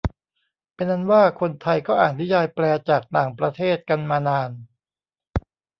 เป็นอันว่าคนไทยก็อ่านนิยายแปลจากต่างประเทศกันมานาน